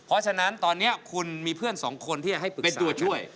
เพราะฉะนั้นตอนนี้คุณมีเพื่อนสองคนที่จะให้เปิดเป็นตัวช่วย